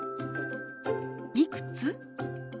「いくつ？」。